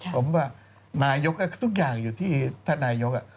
ผมว่านายกทุกอย่างอยู่ที่ท่านนายก